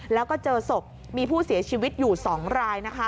แล้วก็เจอศพมีผู้เสียชีวิตอยู่๒รายนะคะ